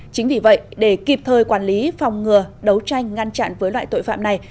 chính vì vậy để kịp thời quản lý phòng ngừa đấu tranh ngăn chặn với loại tội phạm này